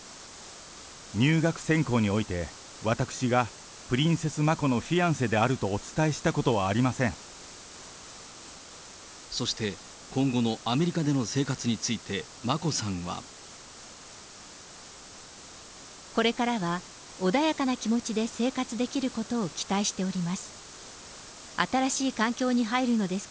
入学選考において、私が、プリンセス・マコのフィアンセであるとお伝えしたことはありませそして、今後のアメリカでの生活について、眞子さんは。これからは穏やかな気持ちで生活できることを期待しております。